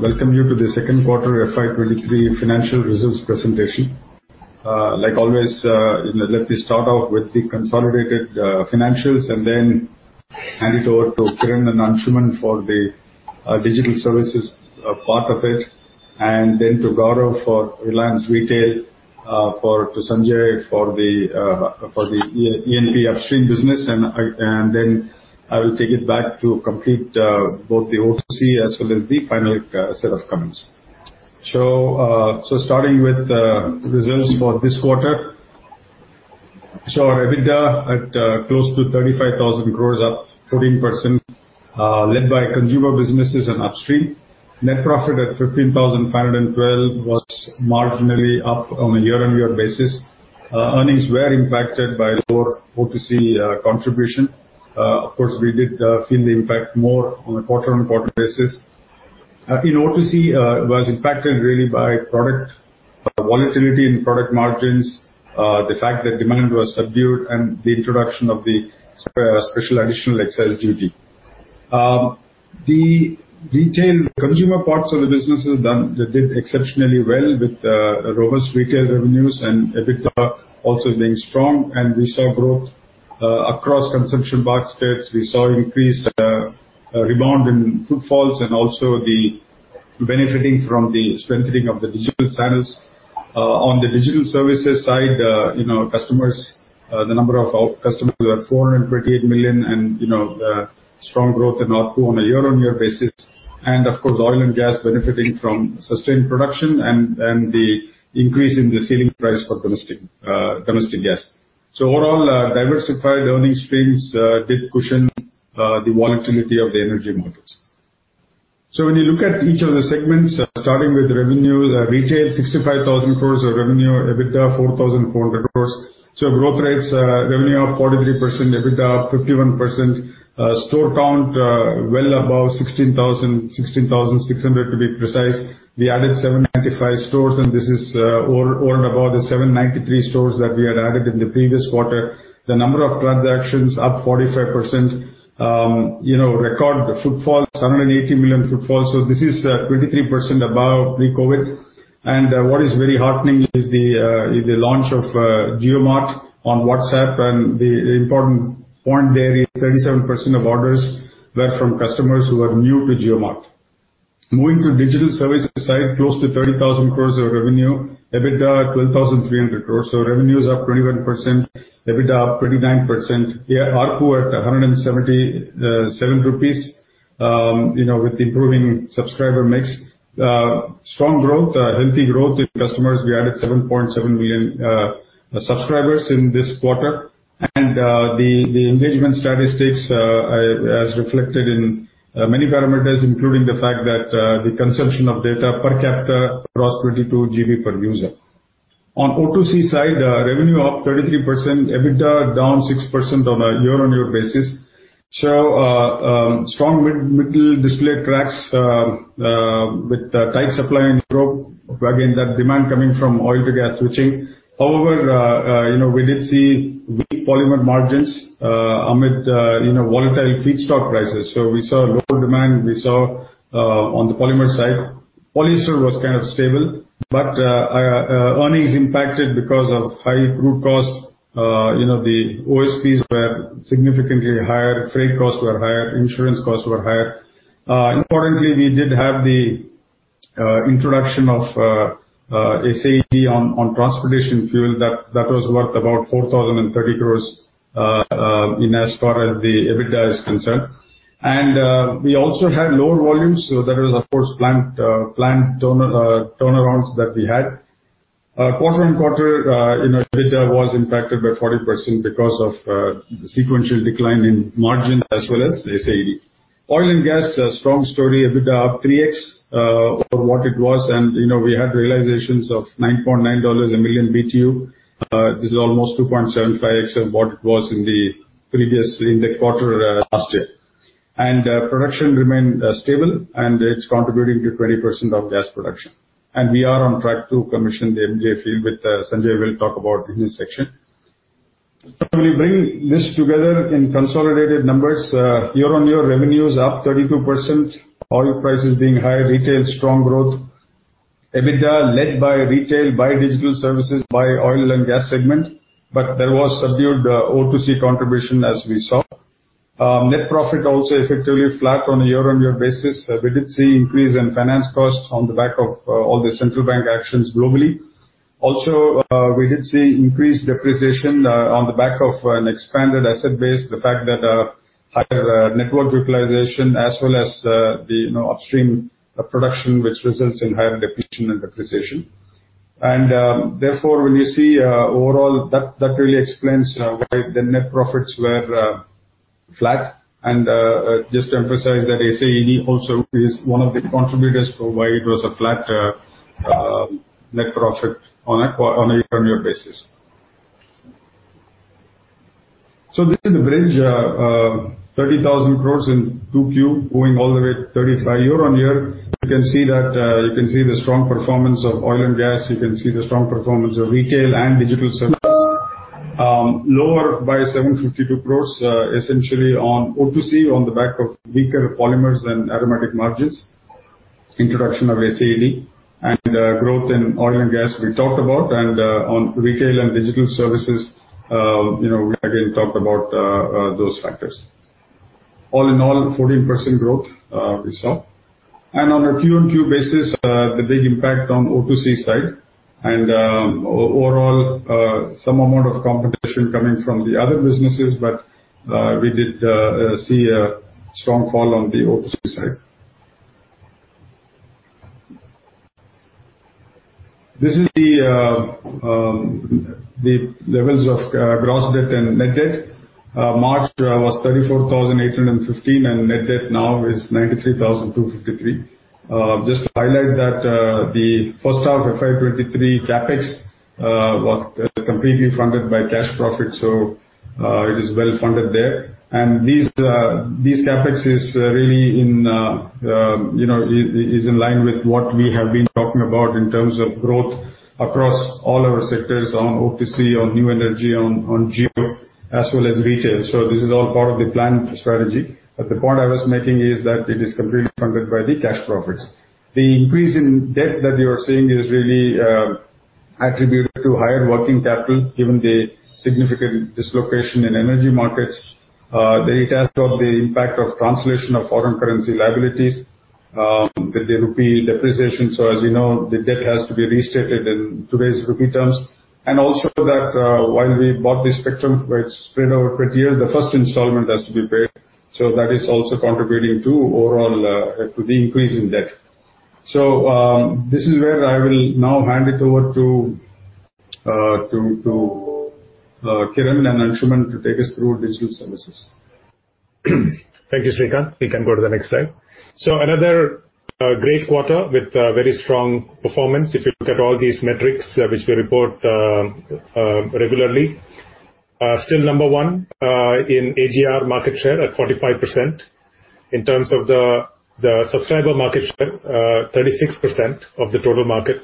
Welcome you to the second quarter FY23 financial results presentation. Like always, let me start off with the consolidated financials and then hand it over to Kiran and Anshuman for the digital services part of it, and then to Gaurav for Reliance Retail, to Sanjay for the E&P upstream business and then I will take it back to complete both the O2C as well as the final set of comments. Starting with the results for this quarter. Our EBITDA at close to 35,000 grows up 14%, led by consumer businesses and upstream. Net profit at 15,512 was marginally up on a year-on-year basis. Earnings were impacted by lower O2C contribution. Of course, we did feel the impact more on a quarter-on-quarter basis. In O2C, was impacted really by product volatility and product margins, the fact that demand was subdued and the introduction of the Special Additional Excise Duty. The retail consumer parts of the business did exceptionally well with robust retail revenues and EBITDA also being strong. We saw growth across consumption baskets. We saw increase, rebound in footfalls and also benefiting from the strengthening of the digital channels. On the digital services side, you know, customers, the number of customers were 428 million and, you know, strong growth in ARPU on a year-on-year basis. Of course, oil and gas benefiting from sustained production and the increase in the selling price for domestic gas. Overall, diversified earnings streams did cushion the volatility of the energy markets. When you look at each of the segments, starting with revenue, retail 65,000 crore of revenue, EBITDA 4,400 crore. Growth rates, revenue up 43%, EBITDA up 51%. Store count well above 16,000, 16,600 to be precise. We added 795 stores, and this is over and above the 793 stores that we had added in the previous quarter. The number of transactions up 45%. You know, record footfalls, 180 million footfalls, so this is 23% above pre-COVID. What is very heartening is the launch of JioMart on WhatsApp, and the important point there is 37% of orders were from customers who are new to JioMart. Moving to digital services side, close to 30,000 crore of revenue, EBITDA 12,300 crore. Revenue is up 21%, EBITDA up 29%. ARPU at 177 rupees, you know, with improving subscriber mix. Strong growth, healthy growth in customers. We added 7.7 million subscribers in this quarter. The engagement statistics as reflected in many parameters, including the fact that the consumption of data per capita was 22 GB per user. On O2C side, revenue up 33%, EBITDA down 6% on a year-on-year basis. Strong middle distillate cracks with tight supply and growth. Again, that demand coming from oil to gas switching. However, you know, we did see weak polymer margins amid you know, volatile feedstock prices. We saw lower demand, we saw on the polymer side. Polyester was kind of stable, but earnings impacted because of high crude costs. You know, the OSPs were significantly higher, freight costs were higher, insurance costs were higher. Importantly, we did have the introduction of SAED on transportation fuel that was worth about 4,030 crores in as far as the EBITDA is concerned. We also had lower volumes. That was of course planned turnarounds that we had. Quarter-over-quarter, you know, EBITDA was impacted by 40% because of the sequential decline in margin as well as SAED. Oil and gas, a strong story. EBITDA up 3x over what it was. You know, we had realizations of $9.9 a million BTU. This is almost 2.75x of what it was in the previous quarter last year. Production remained stable, and it's contributing to 20% of gas production. We are on track to commission the MJ field, which Sanjay will talk about in his section. When you bring this together in consolidated numbers, year-over-year revenues up 32%. Oil prices being high, retail strong growth. EBITDA led by retail, by digital services, by oil and gas segment. There was subdued O2C contribution as we saw. Net profit also effectively flat on a year-on-year basis. We did see increase in finance costs on the back of all the central bank actions globally. Also, we did see increased depreciation on the back of an expanded asset base, the fact that higher network utilization as well as the upstream production, which results in higher depreciation. Therefore, when you see overall, that really explains why the net profits were flat. Just to emphasize that SAED also is one of the contributors for why it was a flat net profit on a year-on-year basis. This is the bridge, 30,000 crores in 2Q going all the way to 35,000 year-on-year. You can see the strong performance of oil and gas. You can see the strong performance of retail and digital services. Lower by 752 crore, essentially on O2C, on the back of weaker polymers and aromatic margins, introduction of SAED. Growth in oil and gas, we talked about. On retail and digital services, you know, we again talked about those factors. All in all, 14% growth, we saw. On a Q-on-Q basis, the big impact on O2C side and overall, some amount of competition coming from the other businesses. We did see a strong fall on the O2C side. This is the levels of gross debt and net debt. March was 34,815, and net debt now is 93,253. Just to highlight that, the first half of FY 2023 CapEx was completely funded by cash profits, so it is well funded there. These CapEx is really, you know, in line with what we have been talking about in terms of growth across all our sectors on O2C, on new energy, on Jio, as well as retail. This is all part of the planned strategy. The point I was making is that it is completely funded by the cash profits. The increase in debt that you are seeing is really attributed to higher working capital, given the significant dislocation in energy markets. It has got the impact of translation of foreign currency liabilities, the rupee depreciation. As you know, the debt has to be restated in today's rupee terms. Also that, while we bought the spectrum where it's spread over 20 years, the first installment has to be paid. That is also contributing to overall, to the increase in debt. This is where I will now hand it over to Kiran and Anshuman to take us through digital services. Thank you, Srikanth. We can go to the next slide. Another great quarter with a very strong performance. If you look at all these metrics, which we report regularly. Still number one in AGR market share at 45%. In terms of the subscriber market share, 36% of the total market.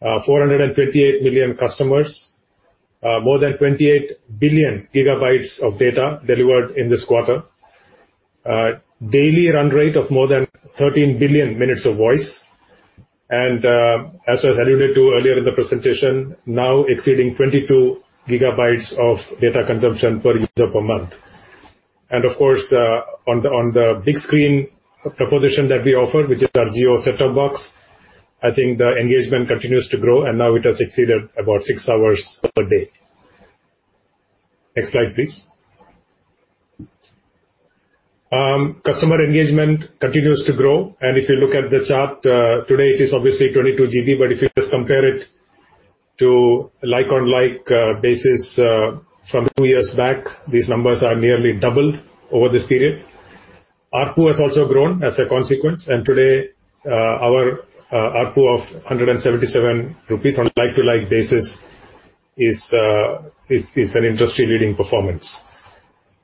428 million customers. More than 28 billion GB of data delivered in this quarter. Daily run rate of more than 13 billion minutes of voice. As I alluded to earlier in the presentation, now exceeding 22 GB of data consumption per user per month. Of course, on the big screen proposition that we offer, which is our Jio Set Top Box, I think the engagement continues to grow, and now it has exceeded about six hours per day. Next slide, please. Customer engagement continues to grow. If you look at the chart, today it is obviously 22 GB. If you just compare it to like-for-like basis from two years back, these numbers are nearly double over this period. ARPU has also grown as a consequence, and today our ARPU of 177 rupees on like-for-like basis is an industry-leading performance.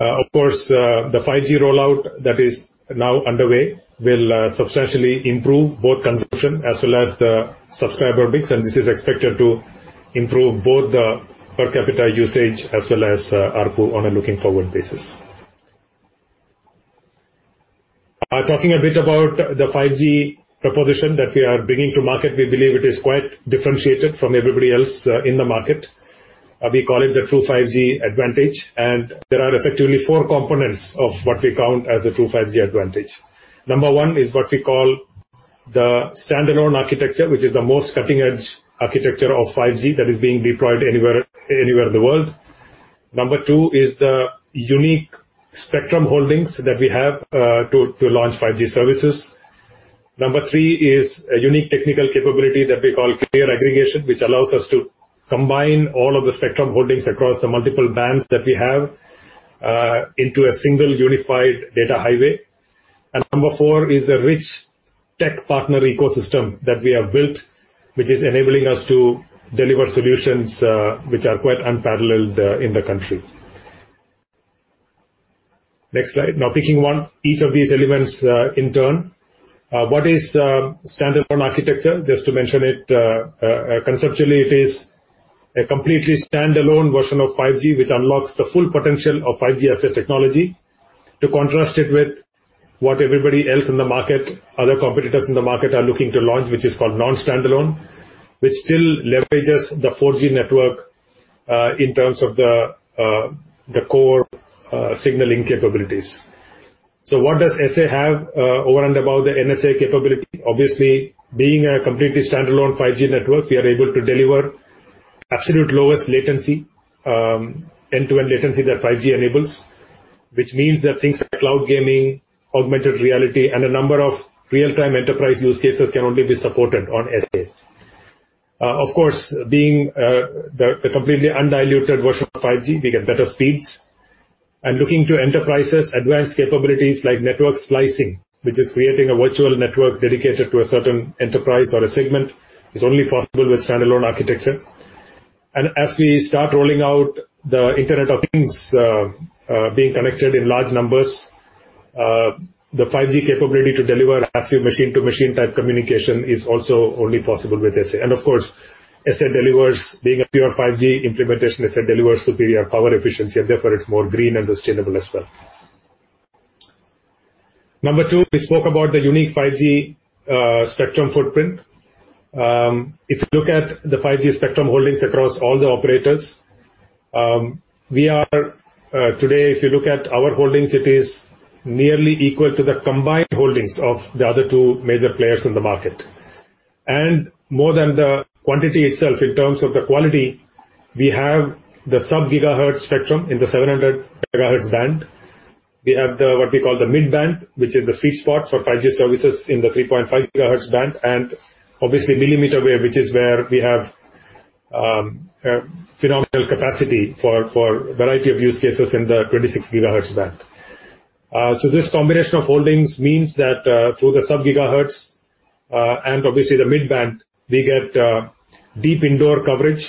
Of course, the 5G rollout that is now underway will substantially improve both consumption as well as the subscriber mix. This is expected to improve both the per capita usage as well as ARPU on a going forward basis. Talking a bit about the 5G proposition that we are bringing to market. We believe it is quite differentiated from everybody else in the market. We call it the True 5G advantage. There are effectively four components of what we count as the True 5G advantage. Number one is what we call the standalone architecture, which is the most cutting-edge architecture of 5G that is being deployed anywhere in the world. Number two is the unique spectrum holdings that we have to launch 5G services. Number three is a unique technical capability that we call carrier aggregation, which allows us to combine all of the spectrum holdings across the multiple bands that we have into a single unified data highway. Number four is a rich tech partner ecosystem that we have built, which is enabling us to deliver solutions which are quite unparalleled in the country. Next slide. Now, picking one each of these elements in turn. What is standalone architecture? Just to mention it, conceptually it is a completely standalone version of 5G which unlocks the full potential of 5G as a technology. To contrast it with what everybody else in the market, other competitors in the market are looking to launch, which is called non-standalone, which still leverages the 4G network in terms of the core signaling capabilities. What does SA have over and above the NSA capability? Obviously, being a completely standalone 5G network, we are able to deliver absolute lowest latency, end-to-end latency that 5G enables. Which means that things like cloud gaming, augmented reality, and a number of real-time enterprise use cases can only be supported on SA. Of course, being a completely undiluted version of 5G, we get better speeds. Looking to enterprises, advanced capabilities like network slicing, which is creating a virtual network dedicated to a certain enterprise or a segment, is only possible with standalone architecture. As we start rolling out the Internet of Things, the 5G capability to deliver massive machine-to-machine type communication is also only possible with SA. Of course, SA delivers, being a pure 5G implementation, superior power efficiency and therefore it's more green and sustainable as well. Number two, we spoke about the unique 5G spectrum footprint. If you look at the 5G spectrum holdings across all the operators, we are today, if you look at our holdings, it is nearly equal to the combined holdings of the other two major players in the market. More than the quantity itself, in terms of the quality, we have the sub-gigahertz spectrum in the 700 MHz band. We have what we call the mid-band, which is the sweet spot for 5G services in the 3.5 GHz band, and obviously millimeter wave, which is where we have phenomenal capacity for a variety of use cases in the 26 GHz band. This combination of holdings means that through the sub-gigahertz and obviously the mid-band, we get deep indoor coverage.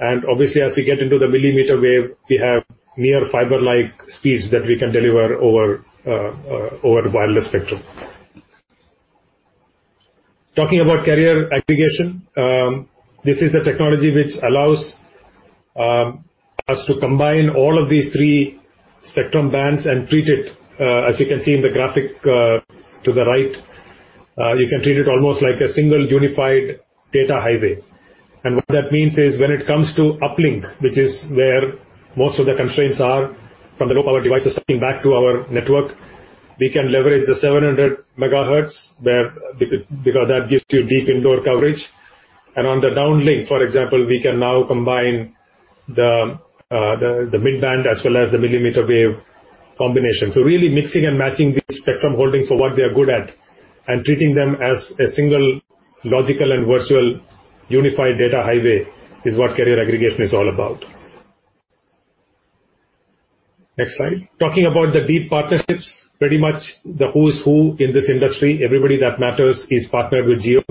Obviously as we get into the millimeter wave, we have near fiber-like speeds that we can deliver over the wireless spectrum. Talking about carrier aggregation, this is a technology which allows us to combine all of these three spectrum bands and treat it, as you can see in the graphic, to the right, you can treat it almost like a single unified data highway. What that means is when it comes to uplink, which is where most of the constraints are from the low power devices talking back to our network, we can leverage the 700 MHz because that gives you deep indoor coverage. On the downlink, for example, we can now combine the mid-band as well as the millimeter wave combination. Really mixing and matching these spectrum holdings for what they are good at and treating them as a single logical and virtual unified data highway is what carrier aggregation is all about. Next slide. Talking about the deep partnerships, pretty much the who's who in this industry, everybody that matters is partnered with Jio.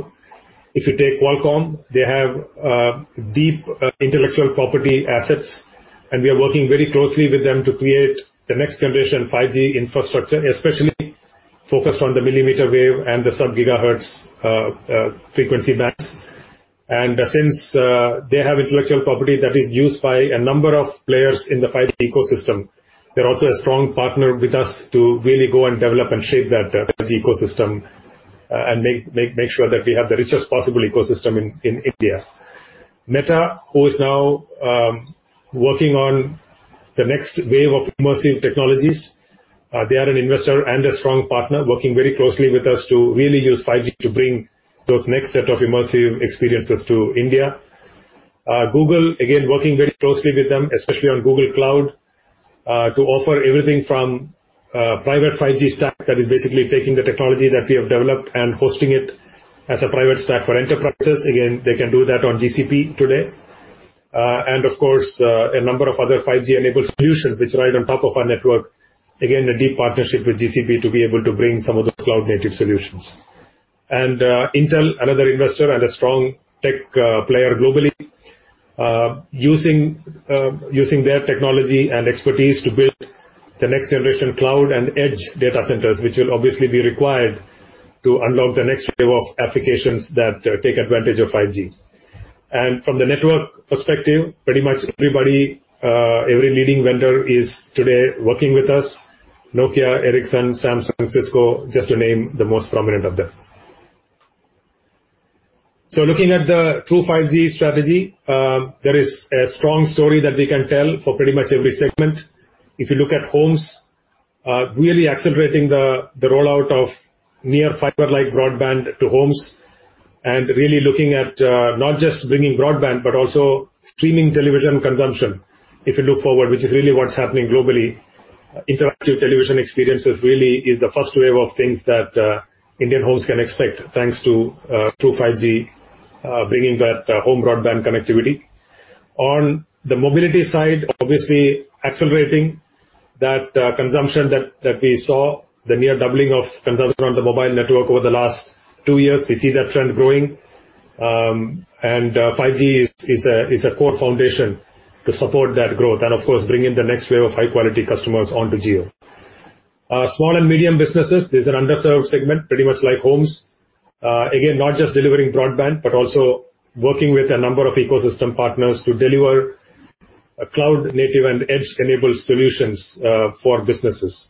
If you take Qualcomm, they have deep intellectual property assets, and we are working very closely with them to create the next generation 5G infrastructure, especially focused on the millimeter wave and the sub-gigahertz frequency bands. Since they have intellectual property that is used by a number of players in the 5G ecosystem, they're also a strong partner with us to really go and develop and shape that 5G ecosystem and make sure that we have the richest possible ecosystem in India. Meta, who is now working on the next wave of immersive technologies, they are an investor and a strong partner working very closely with us to really use 5G to bring those next set of immersive experiences to India. Google, again working very closely with them, especially on Google Cloud, to offer everything from private 5G stack that is basically taking the technology that we have developed and hosting it as a private stack for enterprises. Again, they can do that on GCP today. Of course, a number of other 5G-enabled solutions which ride on top of our network. Again, a deep partnership with GCP to be able to bring some of those cloud-native solutions. Intel, another investor and a strong tech player globally, using their technology and expertise to build the next generation cloud and edge data centers, which will obviously be required to unlock the next wave of applications that take advantage of 5G. From the network perspective, pretty much every leading vendor is today working with us. Nokia, Ericsson, Samsung, Cisco, just to name the most prominent of them. Looking at the True 5G strategy, there is a strong story that we can tell for pretty much every segment. If you look at homes, really accelerating the rollout of near fiber-like broadband to homes and really looking at not just bringing broadband, but also streaming television consumption. If you look forward, which is really what's happening globally, interactive television experiences really is the first wave of things that Indian homes can expect, thanks to True 5G, bringing that home broadband connectivity. On the mobility side, obviously accelerating that consumption that we saw, the near doubling of consumption on the mobile network over the last two years. We see that trend growing. 5G is a core foundation to support that growth and of course, bring in the next wave of high quality customers onto Jio. Small and medium businesses is an underserved segment, pretty much like homes. Again, not just delivering broadband, but also working with a number of ecosystem partners to deliver cloud-native and edge-enabled solutions for businesses.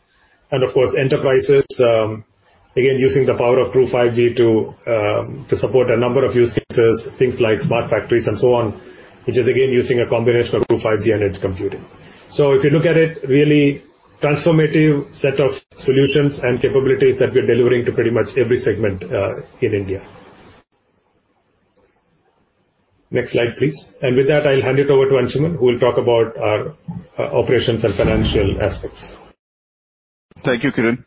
Of course, enterprises, again, using the power of True 5G to support a number of use cases, things like smart factories and so on, which is again using a combination of True 5G and edge computing. If you look at it, really transformative set of solutions and capabilities that we're delivering to pretty much every segment in India. Next slide, please. With that, I'll hand it over to Anshuman, who will talk about our operations and financial aspects. Thank you, Kiran.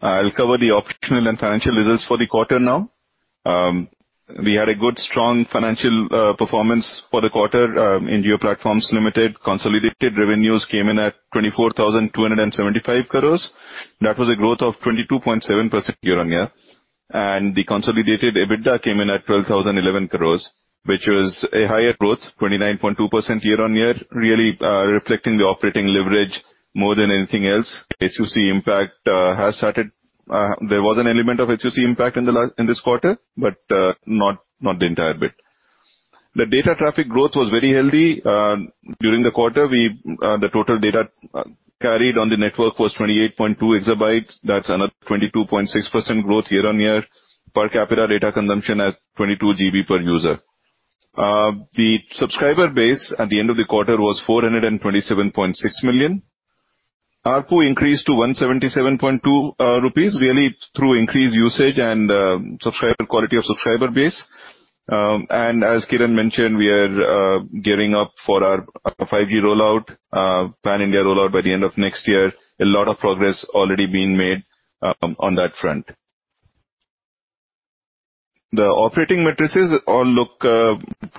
I'll cover the operational and financial results for the quarter now. We had a good, strong financial performance for the quarter. In Jio Platforms Limited, consolidated revenues came in at 24,275 crores. That was a growth of 22.7% year-on-year. The consolidated EBITDA came in at 12,011 crores, which was a higher growth, 29.2% year-on-year, really reflecting the operating leverage more than anything else. IUC impact has started. There was an element of IUC impact in this quarter, but not the entire bit. The data traffic growth was very healthy. During the quarter, the total data carried on the network was 28.2 exabytes. That's another 22.6% growth year-on-year. Per capita data consumption at 22 GB per user. The subscriber base at the end of the quarter was 427.6 million. ARPU increased to 177.2 rupees, really through increased usage and subscriber quality of subscriber base. As Kiran mentioned, we are gearing up for our 5G rollout, pan-India rollout by the end of next year. A lot of progress already been made on that front. The operating metrics all look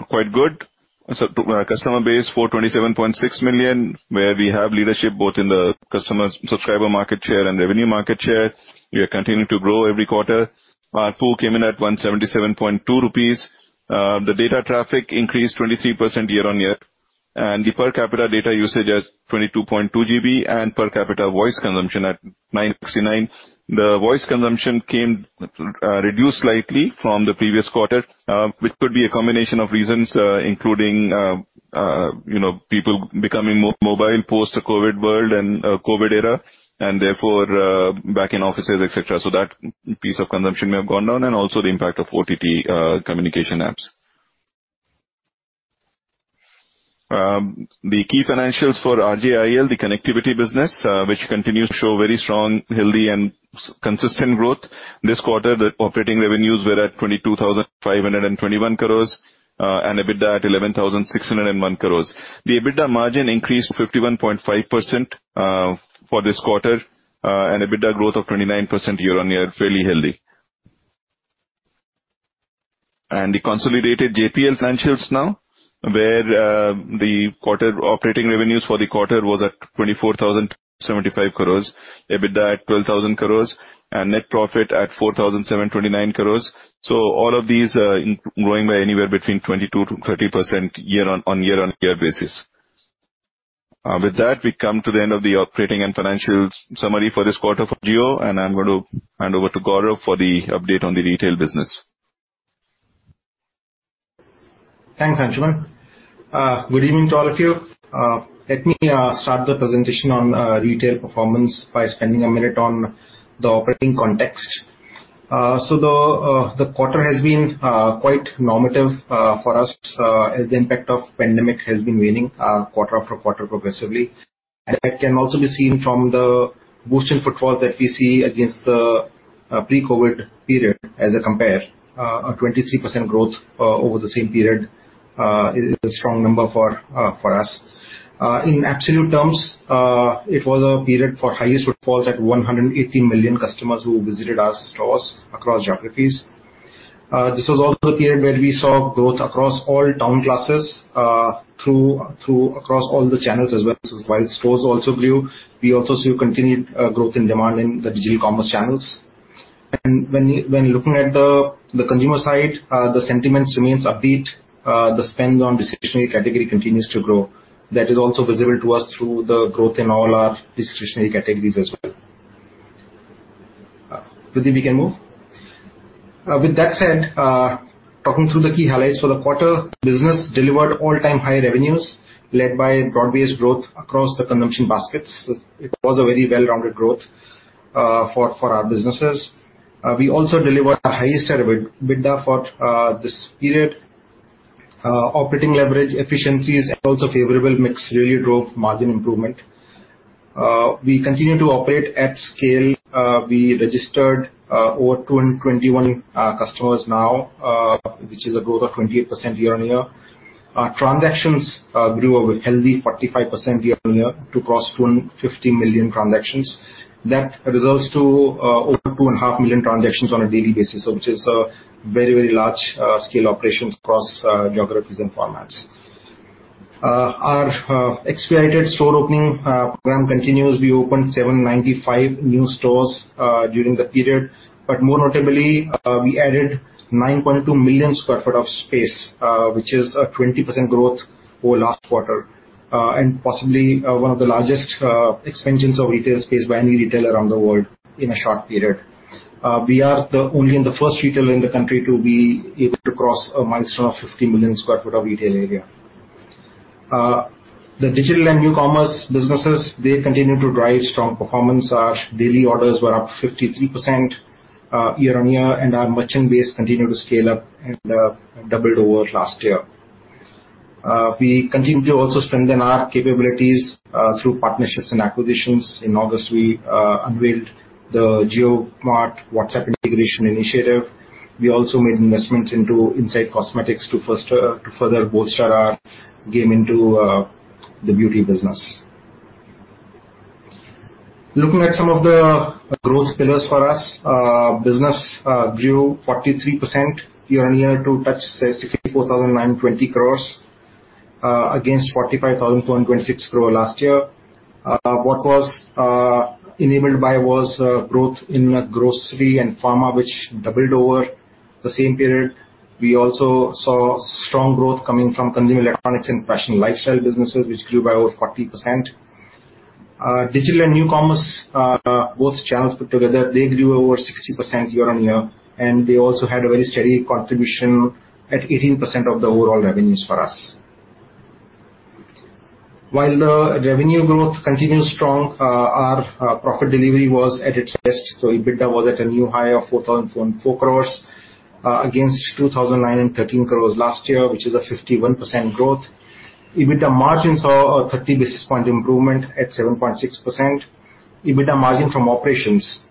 quite good. Our customer base, 427.6 million, where we have leadership both in the customer subscriber market share and revenue market share. We are continuing to grow every quarter. ARPU came in at 177.2 rupees. The data traffic increased 23% year-on-year. The per capita data usage is 22.2 GB and per capita voice consumption at 969. The voice consumption came reduced slightly from the previous quarter, which could be a combination of reasons, including, you know, people becoming mobile post-COVID world and COVID era and therefore back in offices, etc. That piece of consumption may have gone down and also the impact of OTT communication apps. The key financials for RJIL, the connectivity business, which continues to show very strong, healthy and consistent growth. This quarter, the operating revenues were at 22,521 crores and EBITDA at 11,601 crores. The EBITDA margin increased 51.5% for this quarter and EBITDA growth of 29% year-on-year, fairly healthy. The consolidated JPL financials now, where the quarter operating revenues for the quarter was at 24,075 crores. EBITDA at 12,000 crores and net profit at 4,729 crores. All of these growing by anywhere between 22%-30% year-on-year basis. With that, we come to the end of the operating and financial summary for this quarter for Jio, and I'm going to hand over to Gaurav for the update on the retail business. Thanks, Anshuman. Good evening to all of you. Let me start the presentation on retail performance by spending a minute on the operating context. The quarter has been quite normative for us as the impact of pandemic has been waning quarter after quarter progressively. That can also be seen from the boost in footfall that we see against the pre-COVID period as a compare. A 23% growth over the same period is a strong number for us. In absolute terms, it was a period for highest footfalls at 180 million customers who visited our stores across geographies. This was also a period where we saw growth across all town classes across all the channels as well. While stores also grew, we also see continued growth in demand in the digital commerce channels. When looking at the consumer side, the sentiments remains upbeat. The spends on discretionary category continues to grow. That is also visible to us through the growth in all our discretionary categories as well. Pradeep, we can move. With that said, talking through the key highlights. The quarter business delivered all-time high revenues led by broad-based growth across the consumption baskets. It was a very well-rounded growth for our businesses. We also delivered our highest ever EBITDA for this period. Operating leverage efficiencies and also favorable mix really drove margin improvement. We continue to operate at scale. We registered over 221 customers now, which is a growth of 28% year-on-year. Our transactions grew over healthy 45% year-on-year to cross 250 million transactions. That resolves to over 2.5 million transactions on a daily basis. Which is a very large scale operations across geographies and formats. Our accelerated store opening program continues. We opened 795 new stores during the period, but more notably, we added 9.2 million sq ft of space, which is a 20% growth over last quarter, and possibly one of the largest expansions of retail space by any retailer around the world in a short period. We are the only and the first retailer in the country to be able to cross a milestone of 50 million sq ft of retail area. The digital and new commerce businesses continue to drive strong performance. Our daily orders were up 53% year-on-year, and our merchant base continued to scale up and doubled over last year. We continue to also strengthen our capabilities through partnerships and acquisitions. In August, we unveiled the JioMart WhatsApp integration initiative. We also made investments into Insight Cosmetics to further bolster our game into the beauty business. Looking at some of the growth pillars for us. Business grew 43% year-on-year to touch 64,920 crore against 45,226 crore last year. What was enabled by growth in grocery and pharma, which doubled over the same period. We also saw strong growth coming from consumer electronics and fashion lifestyle businesses which grew by over 40%. Digital and new commerce, both channels put together, they grew over 60% year-on-year, and they also had a very steady contribution at 18% of the overall revenues for us. While the revenue growth continued strong, our profit delivery was at its best, so EBITDA was at a new high of 4,404 crores, against 2,913 crores last year, which is a 51% growth. EBITDA margins saw a 30 basis point improvement at 7.6%. EBITDA margin from operations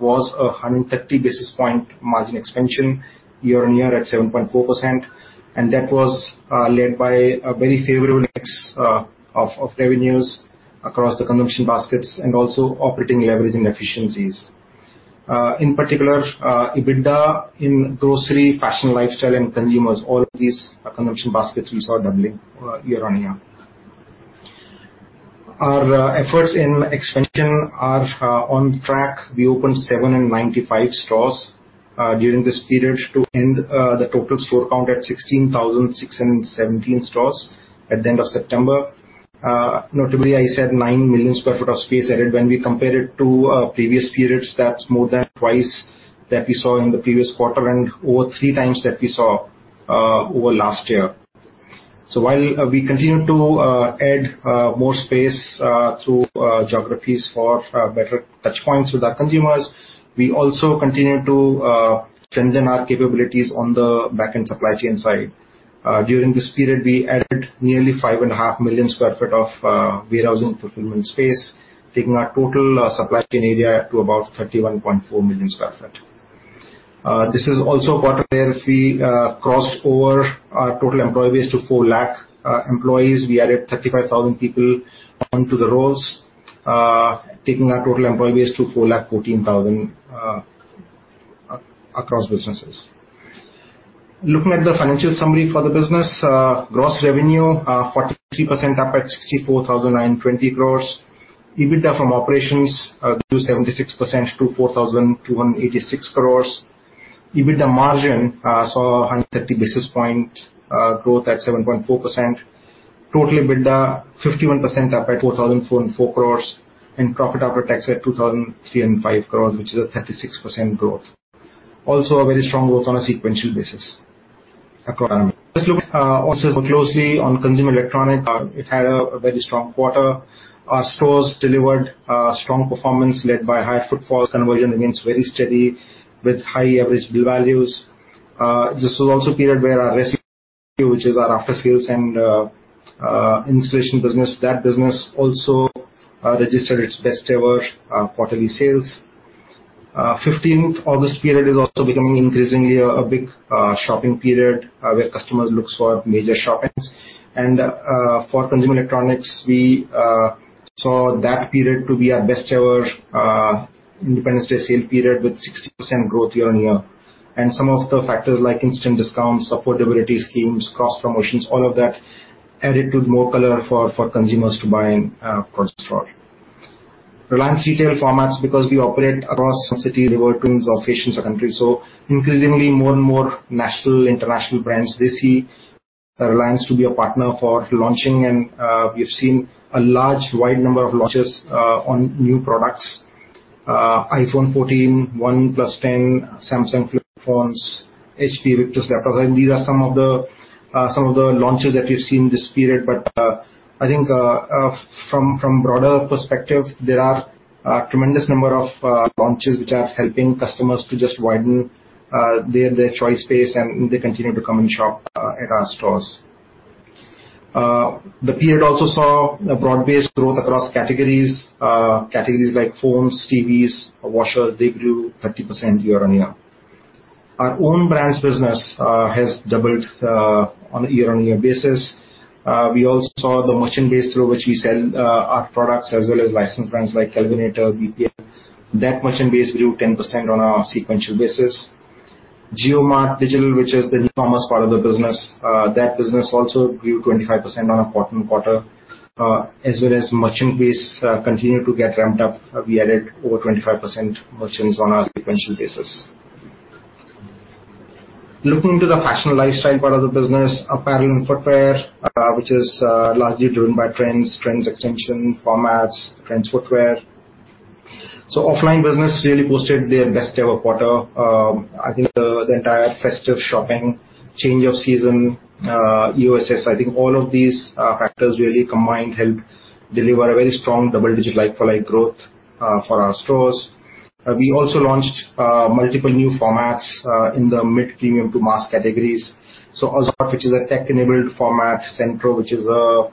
was 130 basis point margin expansion year-on-year at 7.4%, and that was led by a very favorable mix of revenues across the consumption baskets and also operating leverage and efficiencies. In particular, EBITDA in grocery, fashion and lifestyle and consumers, all of these consumption baskets we saw doubling year-on-year. Our efforts in expansion are on track. We opened 795 stores during this period to end the total store count at 16,617 stores at the end of September. Notably, I said 9 million sq ft of space added. When we compare it to previous periods, that's more than twice that we saw in the previous quarter and over three times that we saw over last year. While we continue to add more space through geographies for better touchpoints with our consumers, we also continue to strengthen our capabilities on the back-end supply chain side. During this period, we added nearly 5.5 million sq ft of warehousing fulfillment space, taking our total supply chain area to about 31.4 million sq ft. This is also a quarter where we crossed over our total employee base to 400,000 employees. We added 35,000 people onto the rolls, taking our total employee base to 414,000 across businesses. Looking at the financial summary for the business, gross revenue 43% up at 64,920 crores. EBITDA from operations grew 76% to 4,286 crores. EBITDA margin saw a 130 basis point growth at 7.4%. Total EBITDA, 51% up at 4,404 crores. Profit after tax at 2,305 crores, which is a 36% growth. Also a very strong growth on a sequential basis across. Let's look also more closely on consumer electronics. It had a very strong quarter. Our stores delivered a strong performance led by higher footfall. Conversion remains very steady with high average bill values. This was also a period where our, which is our after-sales and installation business, that business also registered its best ever quarterly sales. 15th August period is also becoming increasingly a big shopping period where customers look for major shoppings. For consumer electronics, we saw that period to be our best ever Independence Day sale period with 60% growth year-on-year. Some of the factors like instant discounts, affordability schemes, cross promotions, all of that added with more color for consumers to buy products for. Reliance Retail formats, because we operate across some cities, rural, towns or regions of the country, so increasingly more and more national, international brands, they see Reliance to be a partner for launching, and we've seen a large wide number of launches on new products. iPhone 14, OnePlus 10, Samsung flip phones, HP Victus laptops. I mean, these are some of the launches that we've seen this period. I think from broader perspective, there are a tremendous number of launches which are helping customers to just widen their choice space, and they continue to come and shop at our stores. The period also saw a broad-based growth across categories. Categories like phones, TVs, washers, they grew 30% year-on-year. Our own brands business has doubled on a year-on-year basis. We all saw the merchant base through which we sell our products as well as licensed brands like Kelvinator, BPL. That merchant base grew 10% on a sequential basis. JioMart Digital, which is the new commerce part of the business, that business also grew 25% on a quarter-on-quarter, as well as merchant base continued to get ramped up. We added over 25% merchants on a sequential basis. Looking to the fashion and lifestyle part of the business, apparel and footwear, which is largely driven by trends extension formats, trends footwear. Offline business really posted their best ever quarter. I think the entire festive shopping, change of season, EOSS, all of these factors really combined helped deliver a very strong double-digit like-for-like growth for our stores. We also launched multiple new formats in the mid-premium to mass categories. Azorte, which is a tech-enabled format, Centro, which is a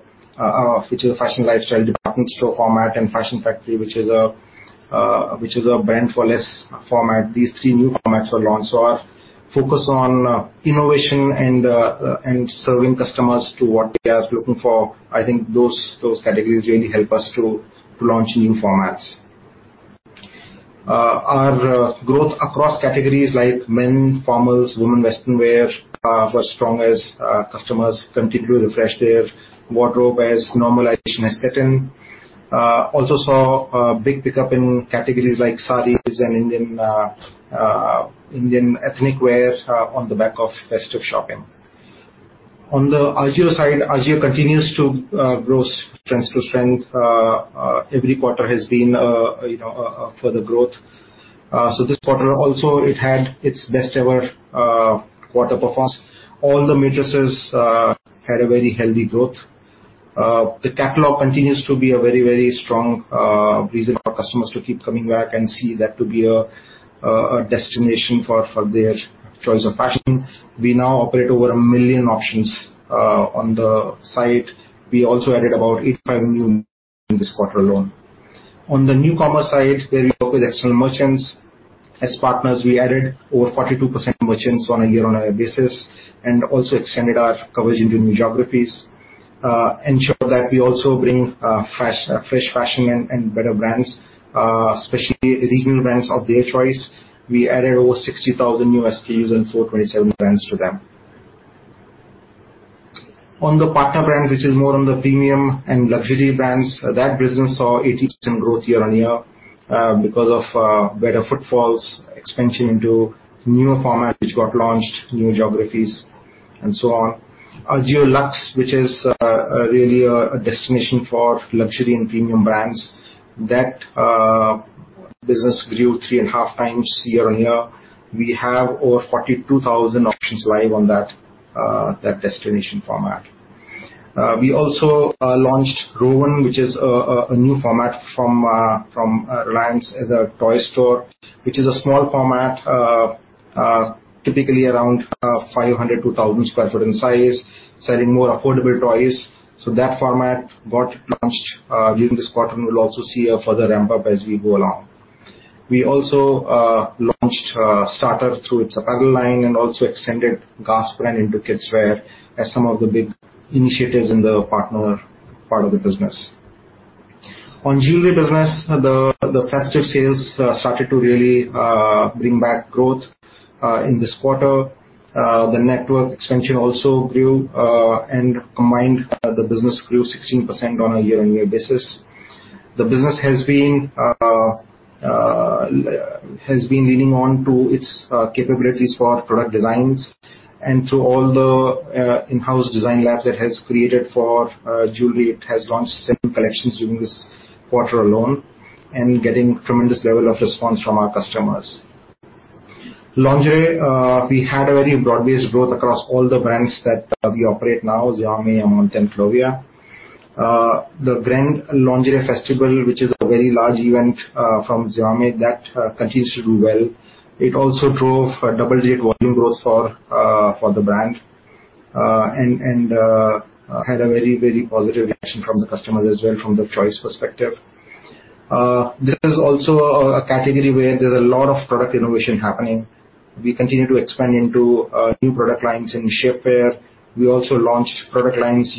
fashion lifestyle department store format, and Fashion Factory, which is a brand for less format. These three new formats were launched. Our focus on innovation and serving customers to what they are looking for. I think those categories really help us to launch new formats. Our growth across categories like men's formals, women's western wear were strong as customers continue to refresh their wardrobe as normalization has set in. Also saw a big pickup in categories like sarees and Indian ethnic wear on the back of festive shopping. On the Ajio side, Ajio continues to grow strength to strength. Every quarter has been, you know, further growth. This quarter also, it had its best ever quarter performance. All the metrics had a very healthy growth. The catalog continues to be a very, very strong reason for customers to keep coming back and see that to be a destination for their choice of fashion. We now operate over 1 million options on the site. We also added about 85 million in this quarter alone. On the new commerce side, where we work with external merchants as partners, we added over 42% merchants on a year-on-year basis and also extended our coverage into new geographies to ensure that we also bring fresh fashion and better brands, especially the regional brands of their choice. We added over 60,000 new SKUs and 427 brands to them. On the partner brand, which is more on the premium and luxury brands, that business saw 80% growth year-on-year because of better footfalls, expansion into new format which got launched, new geographies, and so on. Ajio Luxe, which is really a destination for luxury and premium brands, that business grew 3.5x year-on-year. We have over 42,000 options live on that destination format. We also launched Rowan, which is a new format from Reliance as a toy store, which is a small format, typically around 500-1,000 sq ft in size, selling more affordable toys. That format got launched during this quarter, and we'll also see a further ramp-up as we go along. We also launched Starter through its apparel line and also extended Gap brand into kids wear as some of the big initiatives in the partner part of the business. On jewelry business, the festive sales started to really bring back growth in this quarter. The network expansion also grew, and combined, the business grew 16% on a year-on-year basis. The business has been leaning on to its capabilities for product designs and through all the in-house design labs that has created for jewelry. It has launched seven collections during this quarter alone and getting tremendous level of response from our customers. Lingerie, we had a very broad-based growth across all the brands that we operate now, Zivame, Amanté, and Clovia. The Grand Lingerie Festival, which is a very large event, from Zivame that continues to do well. It also drove a double-digit volume growth for the brand and had a very positive reaction from the customers as well from the choice perspective. This is also a category where there's a lot of product innovation happening. We continue to expand into new product lines in shapewear. We also launched product lines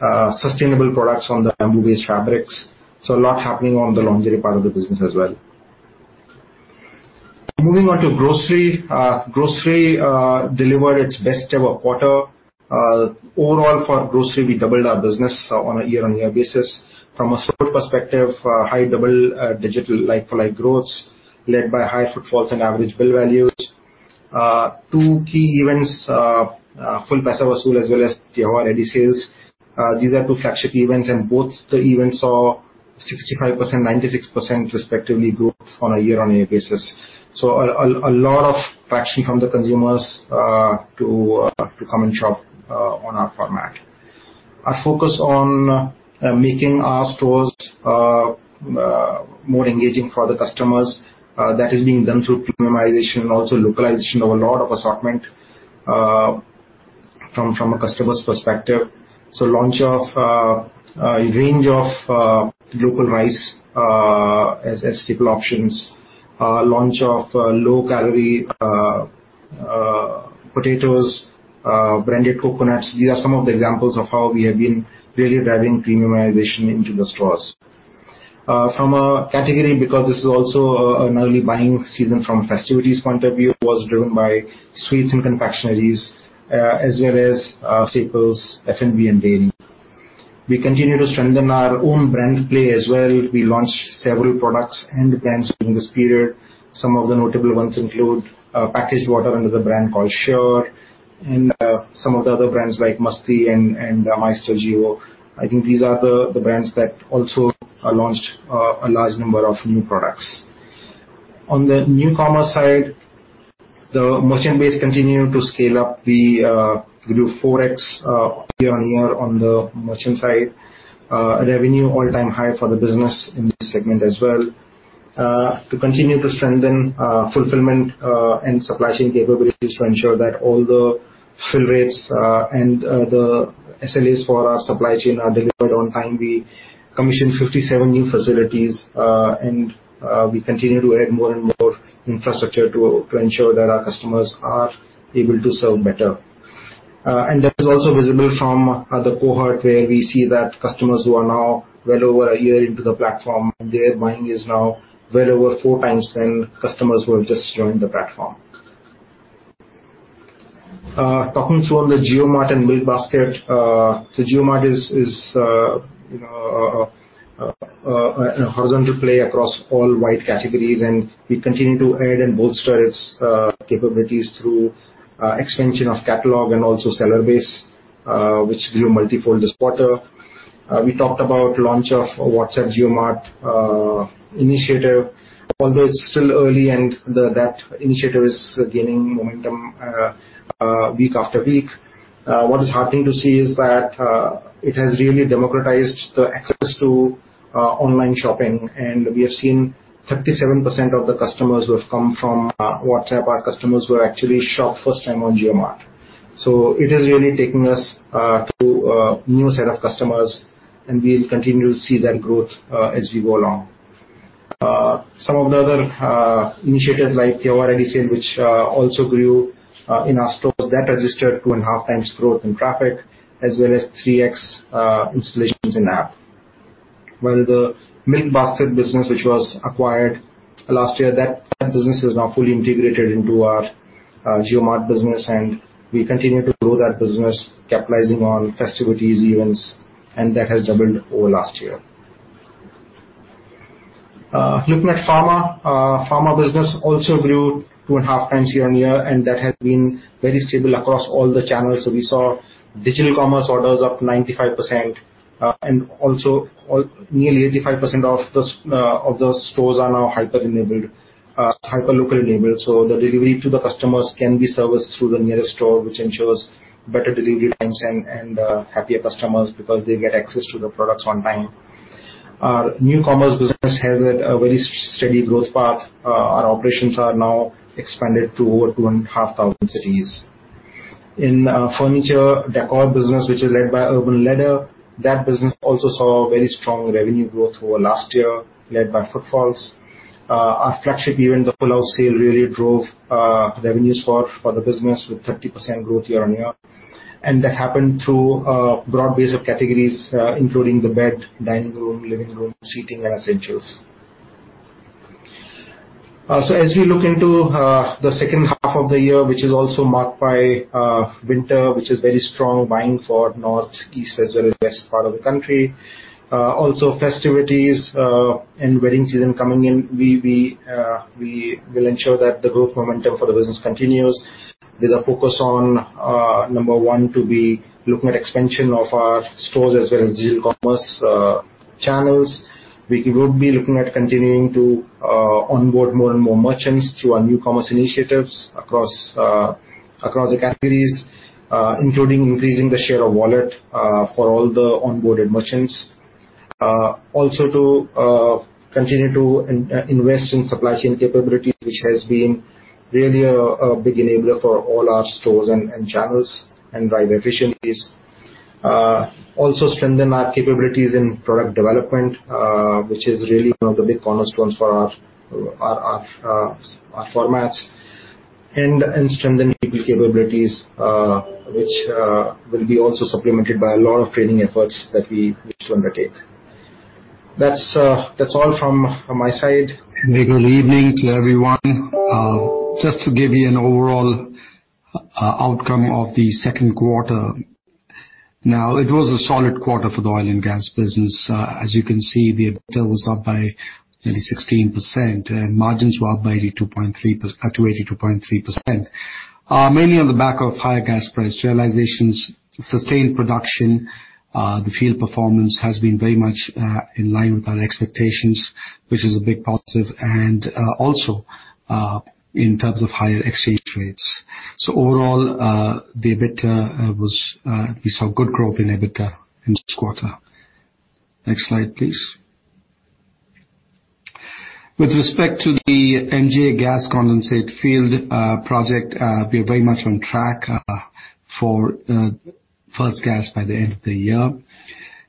using sustainable products on the bamboo-based fabrics. A lot happening on the lingerie part of the business as well. Moving on to grocery. Grocery delivered its best ever quarter. Overall for grocery, we doubled our business on a year-on-year basis. From a store perspective, high double-digit digital like-for-like growth led by higher footfalls and average bill values. Two key events, Full Paisa Vasool as well as Diya Aur Di sales. These are two flagship events, and both the events saw 65%, 96% respectively growth on a year-on-year basis. A lot of traction from the consumers to come and shop on our format. Our focus on making our stores more engaging for the customers, that is being done through premiumization, also localization of a lot of assortment from a customer's perspective. Launch of a range of local rice as staple options, launch of low-calorie potatoes, branded coconuts. These are some of the examples of how we have been really driving premiumization into the stores. From a category, because this is also an early buying season from a festivities point of view, was driven by sweets and confectioneries, as well as staples, F&B, and dairy. We continue to strengthen our own brand play as well. We launched several products and brands during this period. Some of the notable ones include packaged water under the brand called Sure, and some of the other brands like Masti and Maestro Gio. I think these are the brands that also launched a large number of new products. On the new commerce side, the merchant base continued to scale up. We grew 4x year-on-year on the merchant side. Revenue all-time high for the business in this segment as well. To continue to strengthen fulfillment and supply chain capabilities to ensure that all the fill rates and the SLAs for our supply chain are delivered on time, we commissioned 57 new facilities, and we continue to add more and more infrastructure to ensure that our customers are able to serve better. That is also visible from the cohort where we see that customers who are now well over a year into the platform, their buying is now well over four times than customers who have just joined the platform. Talking through on the JioMart and Milkbasket. JioMart is you know a horizontal play across all wide categories, and we continue to add and bolster its capabilities through expansion of catalog and also seller base, which grew multifold this quarter. We talked about the launch of WhatsApp JioMart initiative. Although it's still early and that initiative is gaining momentum week after week, what is heartening to see is that it has really democratized the access to online shopping. We have seen 37% of the customers who have come from WhatsApp are customers who have actually shopped first time on JioMart. It is really taking us to a new set of customers, and we'll continue to see that growth as we go along. Some of the other initiatives like Diwalidi sale, which also grew in our stores that registered 2.5 times growth in traffic as well as 3x installations in-app. While the Milkbasket business, which was acquired last year, that business is now fully integrated into our JioMart business, and we continue to grow that business, capitalizing on festivities, events, and that has doubled over last year. Looking at pharma. Pharma business also grew two and a half times year-on-year, and that has been very stable across all the channels. We saw digital commerce orders up 95%, and also nearly 85% of those stores are now hyper-enabled, hyperlocal enabled, so the delivery to the customers can be serviced through the nearest store, which ensures better delivery times and happier customers because they get access to the products on time. Our new commerce business has had a very steady growth path. Our operations are now expanded to over 2,500 cities. In furniture decor business, which is led by Urban Ladder, that business also saw very strong revenue growth over last year, led by footfalls. Our flagship event, the Full House Sale, really drove revenues for the business with 30% growth year-on-year. That happened through a broad base of categories, including the bed, dining room, living room, seating and essentials. As we look into the second half of the year, which is also marked by winter, which is very strong buying for northeast as well as west part of the country, also festivities, and wedding season coming in, we will ensure that the growth momentum for the business continues with a focus on, number one, to be looking at expansion of our stores as well as digital commerce channels. We would be looking at continuing to onboard more and more merchants through our new commerce initiatives across the categories, including increasing the share of wallet for all the onboarded merchants. Also to continue to invest in supply chain capabilities, which has been really a big enabler for all our stores and channels and drive efficiencies. Also strengthen our capabilities in product development, which is really one of the big cornerstones for our formats. Strengthen people capabilities, which will be also supplemented by a lot of training efforts that we wish to undertake. That's all from my side. A good evening to everyone. Just to give you an overall outcome of the second quarter. Now, it was a solid quarter for the oil and gas business. As you can see, the EBITDA was up by nearly 16%, and margins were up to 82.3%. Mainly on the back of higher gas price realizations, sustained production, the field performance has been very much in line with our expectations, which is a big positive, and also in terms of higher exchange rates. Overall, we saw good growth in EBITDA in this quarter. Next slide, please. With respect to the NGA gas condensate field project, we are very much on track for first gas by the end of the year.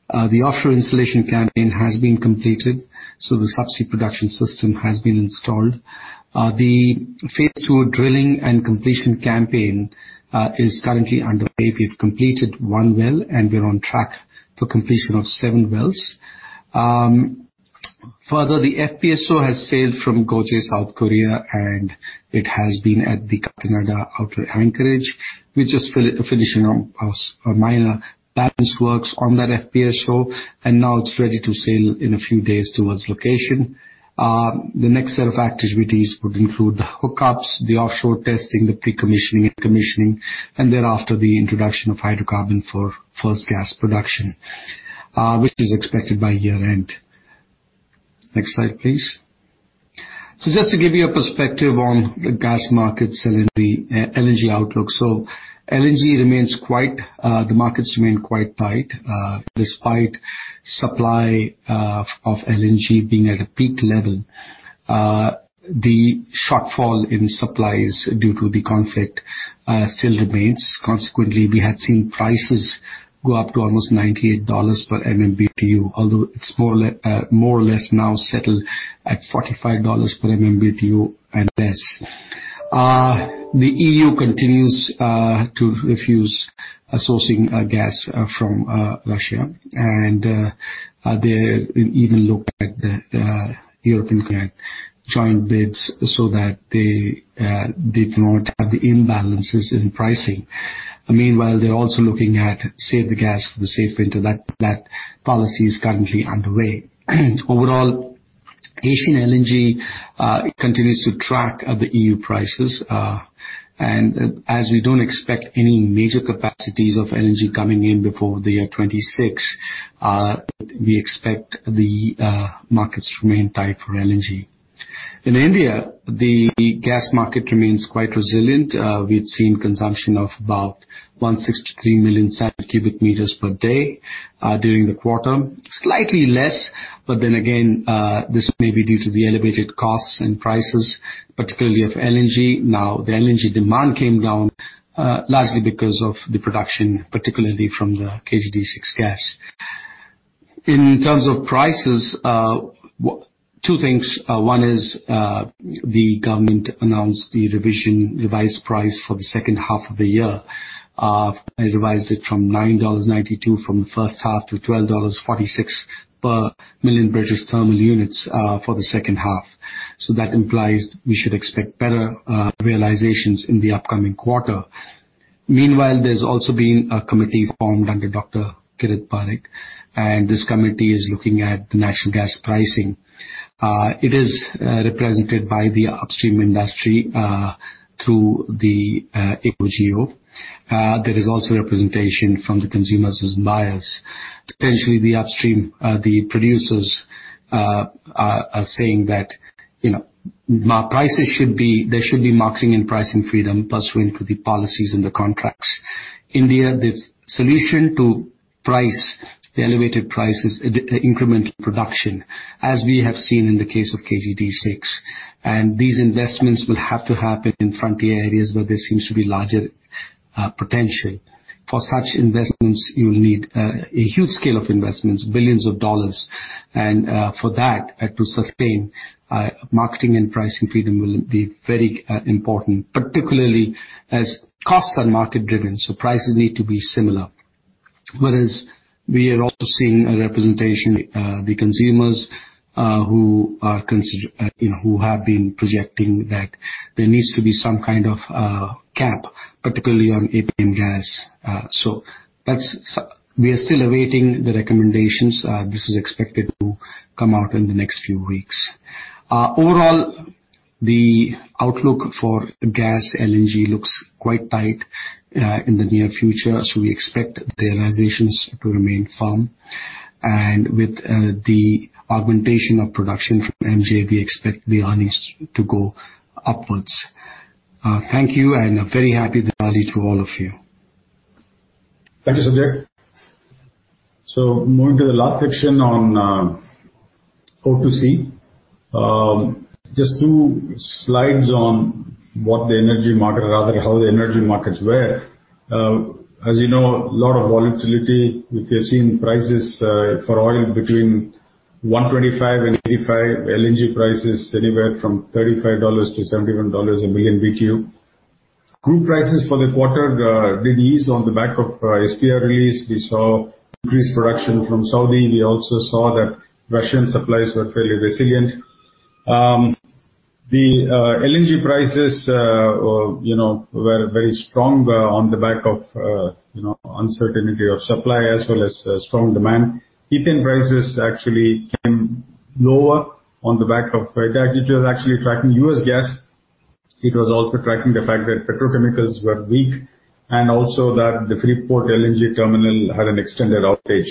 The offshore installation campaign has been completed, so the subsea production system has been installed. The phase two drilling and completion campaign is currently underway. We've completed one well, and we're on track for completion of seven wells. Further, the FPSO has sailed from Geoje, South Korea, and it has been at the Kakinada outer anchorage. We're just finishing up a minor balance works on that FPSO, and now it's ready to sail in a few days towards location. The next set of activities would include the hookups, the offshore testing, the pre-commissioning and commissioning, and thereafter the introduction of hydrocarbon for first gas production, which is expected by year-end. Next slide, please. Just to give you a perspective on the gas markets and the LNG outlook. LNG markets remain quite tight despite supply of LNG being at a peak level. The shortfall in supplies due to the conflict still remains. Consequently, we have seen prices go up to almost $98 per MMBtu, although it's more or less now settled at $45 per MMBtu and less. The EU continues to refuse sourcing gas from Russia. They even looked at the EU joint purchasing so that they do not have the imbalances in pricing. Meanwhile, they're also looking to save gas for a safe winter. That policy is currently underway. Overall, Asian LNG continues to track at the EU prices. As we don't expect any major capacities of LNG coming in before the year 2026, we expect the markets remain tight for LNG. In India, the gas market remains quite resilient. We had seen consumption of about 163 million cubic meters per day during the quarter. Slightly less, this may be due to the elevated costs and prices, particularly of LNG. Now, the LNG demand came down lastly because of the production, particularly from the KG-D6 gas. In terms of prices, two things. One is, the government announced the revised price for the second half of the year. They revised it from $9.92 in the first half to $12.46 per million British thermal units for the second half. That implies we should expect better realizations in the upcoming quarter. Meanwhile, there's also been a committee formed under Dr. Kirit Parikh, and this committee is looking at the national gas pricing. It is represented by the upstream industry through the AOGO. There is also representation from the consumers as buyers. Potentially the upstream producers are saying that, you know, there should be marketing and pricing freedom pursuant to the policies and the contracts. India, the solution to pricing the elevated prices, the incremental production, as we have seen in the case of KG-D6. These investments will have to happen in frontier areas where there seems to be larger potential. For such investments, you'll need a huge scale of investments, $ billions. For that to sustain marketing and pricing freedom will be very important, particularly as costs are market-driven, so prices need to be similar. Whereas we are also seeing a representation of the consumers who, you know, who have been projecting that there needs to be some kind of cap, particularly on APM gas. We are still awaiting the recommendations. This is expected to come out in the next few weeks. Overall, the outlook for gas LNG looks quite tight in the near future. We expect the realizations to remain firm. With the augmentation of production from MJ, we expect the earnings to go upwards. Thank you and a very happy Diwali to all of you. Thank you, Sanjay. Moving to the last section on O2C. Just two slides on what the energy market or rather how the energy markets were. As you know, a lot of volatility. We have seen prices for oil between $125 and $85, LNG prices anywhere from $35 to $71 a million BTU. Crude prices for the quarter did ease on the back of SPR release. We saw increased production from Saudi. We also saw that Russian supplies were fairly resilient. LNG prices, you know, were very strong on the back of you know, uncertainty of supply as well as strong demand. Ethane prices actually came lower on the back of that. It was actually tracking US gas. It was also tracking the fact that petrochemicals were weak, and also that the Freeport LNG terminal had an extended outage.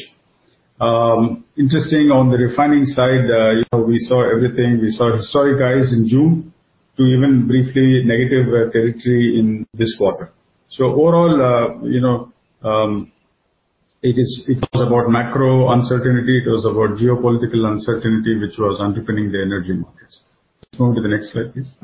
Interesting on the refining side, you know, we saw everything. We saw historic highs in June to even briefly negative territory in this quarter. Overall, you know, it was about macro uncertainty. It was about geopolitical uncertainty, which was underpinning the energy markets. Move to the next slide, please.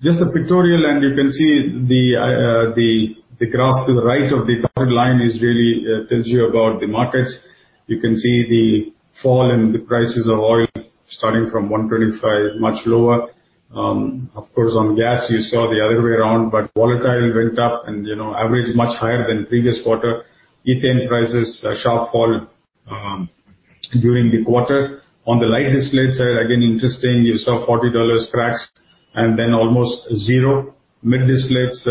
Just a pictorial, and you can see the graph to the right of the dotted line really tells you about the markets. You can see the fall in the prices of oil starting from $125, much lower. Of course, on gas, you saw the other way around, but volatility went up and, you know, averaged much higher than previous quarter. Ethane prices, a sharp fall during the quarter. On the light distillates side, again, interesting, you saw $40 cracks and then almost zero. Mid distillates,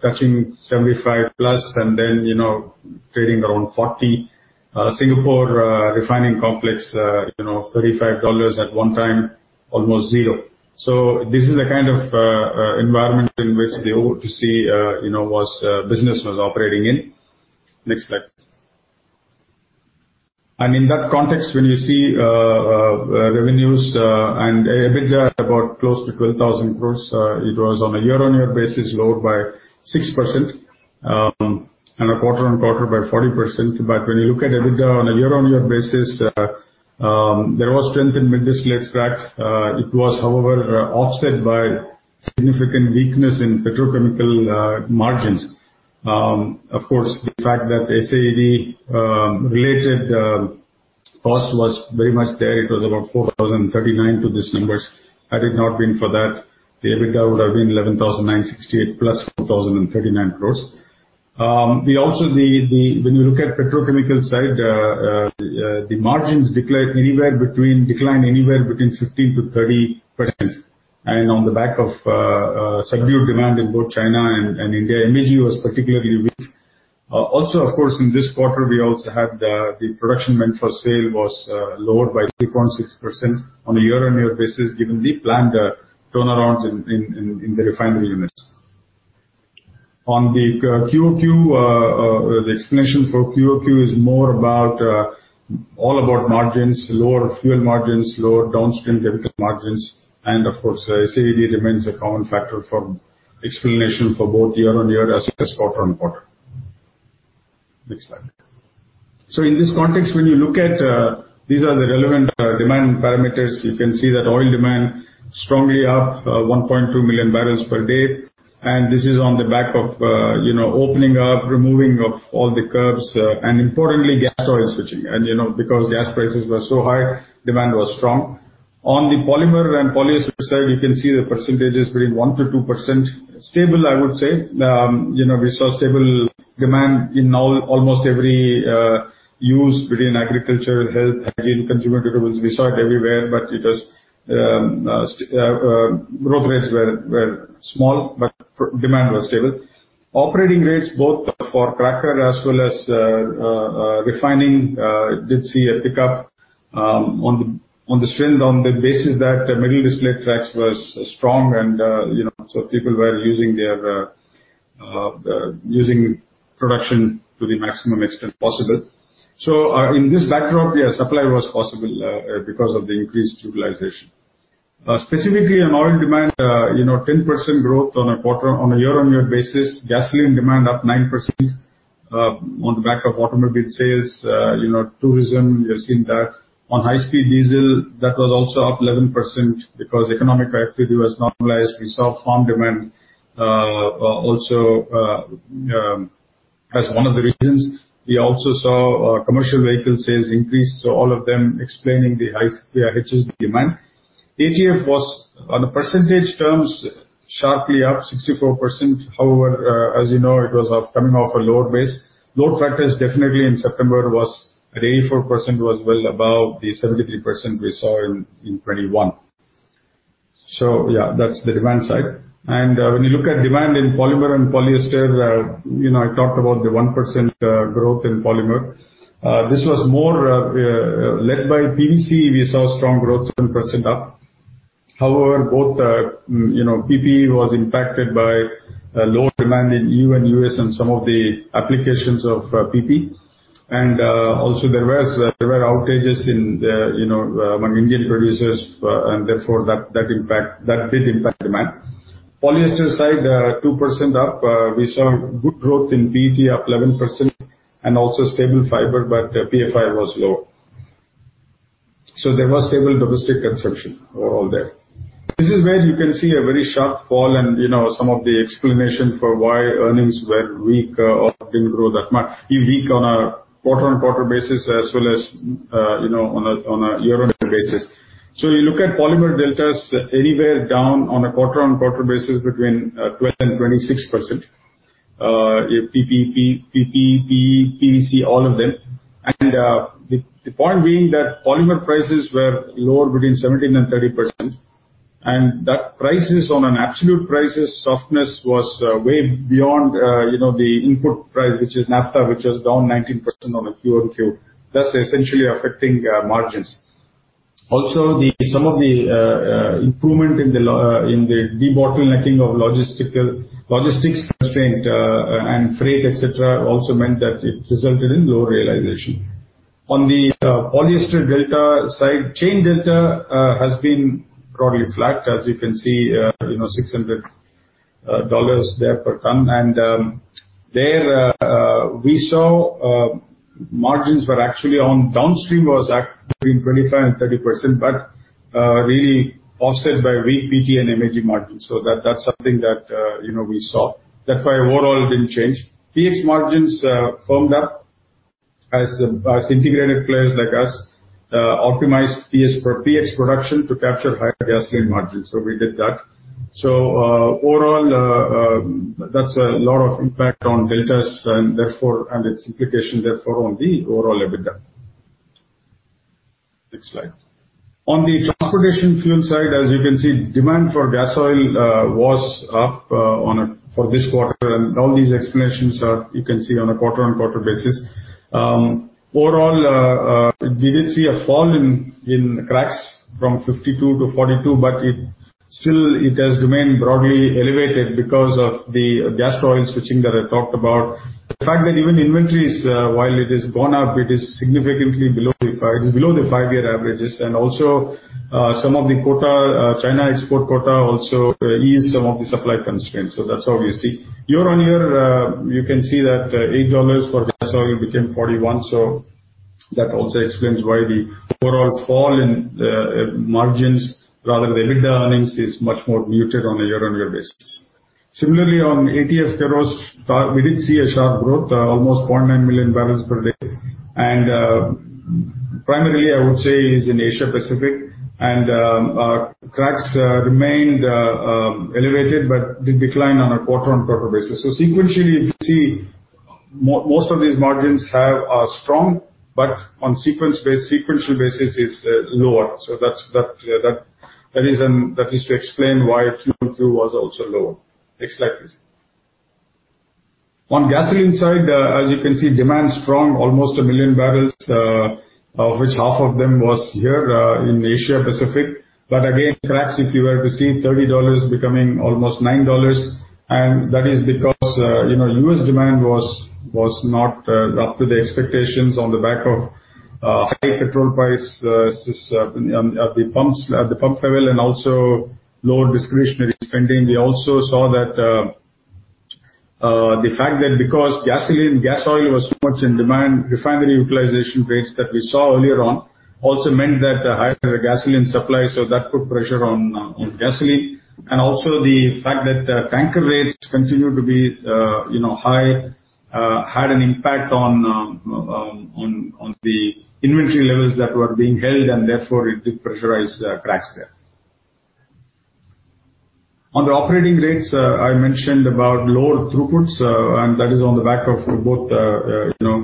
touching 75+ and then, you know, trading around 40. Singapore refining complex, you know, $35 at one time, almost zero. This is the kind of environment in which the O2C business was operating in. Next slide, please. In that context, when you see revenues and EBITDA about close to 12,000 crore, it was on a year-on-year basis lower by 6%, and a quarter-on-quarter by 40%. When you look at EBITDA on a year-on-year basis, there was strength in mid distillates cracks. It was, however, offset by significant weakness in petrochemical margins. Of course, the fact that SAED-related cost was very much there. It was about 4,039 crores to these numbers. Had it not been for that, the EBITDA would have been 11,968 crores plus 4,039 crores. When you look at the petrochemical side, the margins declined anywhere between 15%-30% and on the back of subdued demand in both China and India. MEG was particularly weak. Also of course, in this quarter, the production meant for sale was lower by 3.6% on a year-on-year basis, given the planned turnarounds in the refinery units. On the QOQ, the explanation for QOQ is more about all about margins, lower fuel margins, lower downstream chemical margins, and of course, SAED remains a common factor for explanation for both year-on-year as well as quarter-on-quarter. Next slide. In this context when you look at these are the relevant demand parameters. You can see that oil demand strongly up 1.2 million barrels per day, and this is on the back of you know, opening up, removing of all the curbs, and importantly, gas-to-oil switching. You know, because gas prices were so high, demand was strong. On the polymer and polyester side, you can see the percentage is between 1%-2%. Stable, I would say. You know, we saw stable demand in almost every use between agriculture, health, hygiene, consumer durables. We saw it everywhere, but it was growth rates were small, but demand was stable. Operating rates both for cracker as well as refining did see a pickup on the strength of the basis that middle distillate cracks was strong and you know so people were using their production to the maximum extent possible. In this backdrop, yeah, supply was possible because of the increased utilization. Specifically on oil demand, you know, 10% growth on a year-on-year basis. Gasoline demand up 9% on the back of automobile sales, you know, tourism, we have seen that. On high-speed diesel, that was also up 11% because economic activity was normalized. We saw farm demand, also, as one of the reasons. We also saw commercial vehicle sales increase, so all of them explaining the high HSD demand. ATF was in percentage terms sharply up 64%. However, as you know, it was coming off a lower base. Load factors definitely in September was at 84% well above the 73% we saw in 2021. Yeah, that's the demand side. When you look at demand in polymer and polyester, you know, I talked about the 1% growth in polymer. This was more led by PVC. We saw strong growth, 7% up. However, both, you know, PP was impacted by low demand in EU and US on some of the applications of PP. Also there were outages, you know, among Indian producers, and therefore that impact did impact demand. Polyester side, 2% up. We saw good growth in PET up 11% and also stable fiber, but PFY was low. There was stable domestic consumption overall there. This is where you can see a very sharp fall and, you know, some of the explanation for why earnings were weak or didn't grow that much, weak on a quarter-on-quarter basis as well as, you know, on a year-on-year basis. You look at polymer deltas anywhere down on a quarter-on-quarter basis between 12%-26%. If PP, PE, PVC, all of them. The point being that polymer prices were lower between 17%-30%. That prices on an absolute prices softness was way beyond, you know, the input price, which is naphtha, which was down 19% on a QOQ, thus essentially affecting margins. Some of the improvement in the debottlenecking of logistics constraint, and freight, et cetera, also meant that it resulted in lower realization. On the polyester delta side, chain delta has been broadly flat, as you can see, you know, $600 there per ton. There, we saw margins were actually on downstream was between 25%-30%, but really offset by weak PTA and MEG margins. That's something that you know, we saw. That's why overall it didn't change. PX margins firmed up as integrated players like us optimized PX production to capture higher gasoline margins. We did that. Overall, that's a lot of impact on deltas and therefore its implication therefore on the overall EBITDA. Next slide. On the transportation fuel side, as you can see, demand for gas oil was up for this quarter. All these explanations are, you can see, on a quarter-on-quarter basis. Overall, we did see a fall in cracks from 52 to 42, but it still has remained broadly elevated because of the gas oil switching that I talked about. The fact that even inventories, while it has gone up, it is significantly below the 5-year averages. Also, some of the China export quota also eased some of the supply constraints. That's how we see. Year-on-year, you can see that $8 for gas oil became 41. That also explains why the overall fall in margins rather than EBITDA earnings is much more muted on a year-on-year basis. Similarly, on ATF kerosene, we did see a sharp growth, almost 0.9 million barrels per day. Primarily, I would say is in Asia-Pacific. Cracks remained elevated, but did decline on a quarter-on-quarter basis. Sequentially, we see most of these margins are strong, but on sequential basis is lower. That's. That is to explain why Q-on-Q was also lower. Next slide please. On gasoline side, as you can see, demand is strong, almost 1 million barrels, of which half of them was here, in the Asia-Pacific. Again, cracks, if you were to see $30 becoming almost $9, and that is because, you know, U.S. demand was not up to the expectations on the back of, high petrol price at the pumps, at the pump level and also lower discretionary spending. We also saw that, the fact that because gasoline gas oil was so much in demand, refinery utilization rates that we saw earlier on also meant that higher gasoline supply, so that put pressure on gasoline. The fact that tanker rates continued to be, you know, high had an impact on the inventory levels that were being held, and therefore it did pressurize cracks there. On the operating rates, I mentioned about lower throughputs, and that is on the back of both, you know,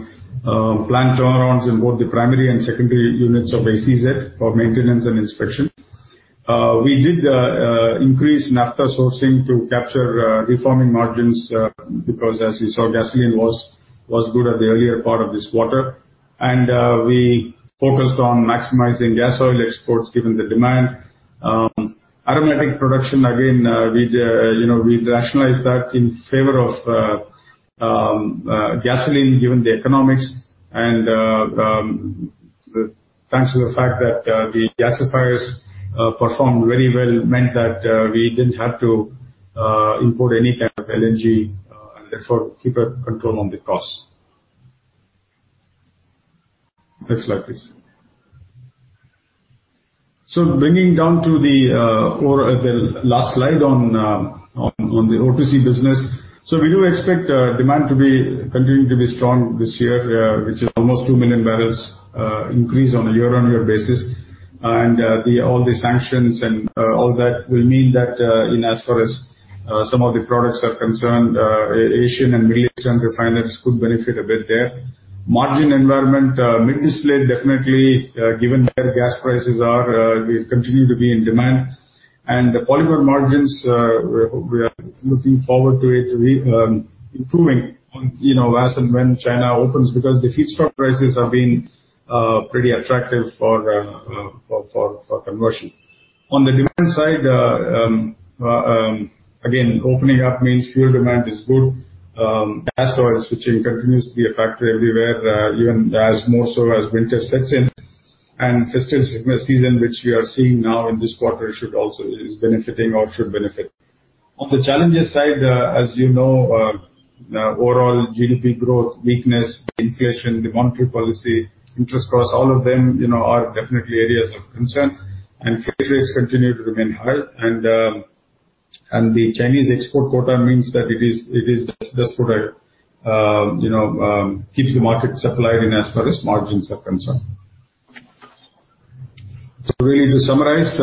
plant turnarounds in both the primary and secondary units of SEZ for maintenance and inspection. We did increase naphtha sourcing to capture reforming margins, because as you saw, gasoline was good at the earlier part of this quarter. We focused on maximizing gas oil exports given the demand. Aromatic production, again, you know, we rationalized that in favor of gasoline given the economics and, thanks to the fact that the gasifiers performed very well, meant that we didn't have to import any type of LNG and therefore keep a control on the costs. Next slide please. Bringing down to the last slide on the O2C business. We do expect demand to be continuing to be strong this year, which is almost two million barrels increase on a year-on-year basis. All the sanctions and all that will mean that, in as far as some of the products are concerned, Asian and Middle Eastern refiners could benefit a bit there. Margin environment, middle distillate definitely, given where gas prices are, we continue to be in demand. The polymer margins, we are looking forward to it improving on, you know, as and when China opens because the feedstock prices have been pretty attractive for conversion. On the demand side, again, opening up means fuel demand is good. Gas oil switching continues to be a factor everywhere, even more so as winter sets in. Festive season, which we are seeing now in this quarter should also is benefiting or should benefit. On the challenges side, as you know, overall GDP growth, weakness, inflation, monetary policy, interest costs, all of them, you know, are definitely areas of concern. Freight rates continue to remain high. The Chinese export quota means that it is just for the, you know, keeps the market supplied insofar as margins are concerned. Really to summarize,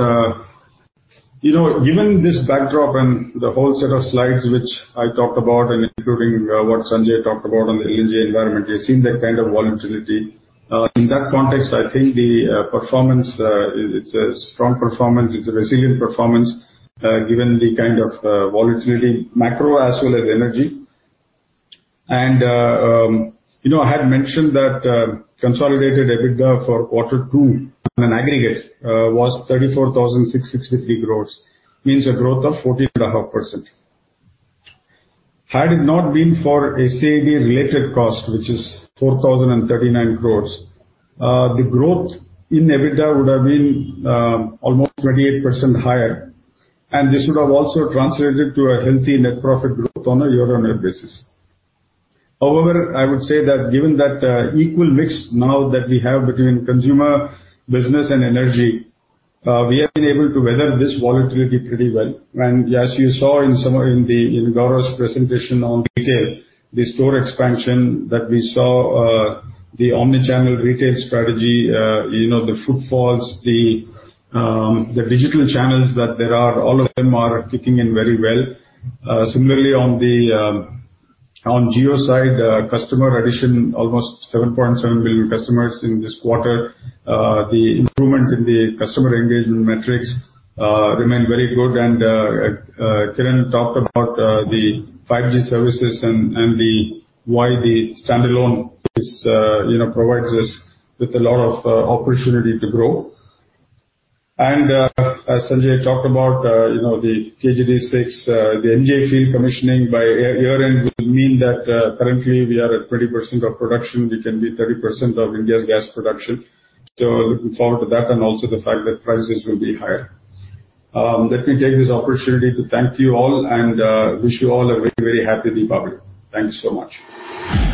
you know, given this backdrop and the whole set of slides which I talked about and including, what Sanjay talked about on the LNG environment, we have seen that kind of volatility. In that context, I think the performance, it's a strong performance, it's a resilient performance, given the kind of, volatility, macro as well as energy. You know, I had mentioned that, consolidated EBITDA for quarter two on an aggregate, was 34,663 crore, means a growth of 14.5%. Had it not been for SAB related cost, which is 4,039 crores, the growth in EBITDA would have been almost 28% higher, and this would have also translated to a healthy net profit growth on a year-on-year basis. However, I would say that given that equal mix now that we have between consumer, business, and energy, we have been able to weather this volatility pretty well. As you saw in Gaurav's presentation on retail, the store expansion that we saw, the omni-channel retail strategy, you know, the footfalls, the digital channels that there are, all of them are kicking in very well. Similarly, on the Jio side, customer addition, almost 7.7 million customers in this quarter. The improvement in the customer engagement metrics remain very good. Kiran talked about the 5G services and why the standalone is, you know, provides us with a lot of opportunity to grow. As Sanjay talked about, you know, the KG-D6, the MJ field commissioning by year end will mean that, currently we are at 20% of production, we can be 30% of India's gas production. Looking forward to that and also the fact that prices will be higher. Let me take this opportunity to thank you all and wish you all a very, very happy Deepavali. Thank you so much.